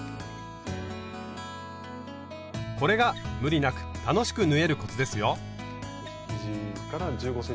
これが無理なく楽しく縫えるコツですよ！